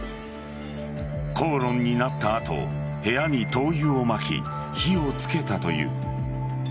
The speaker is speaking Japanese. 口論になった後部屋に灯油をまき火をつけたという。